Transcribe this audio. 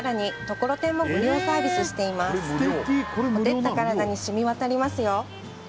ほてった体にしみわたりますよ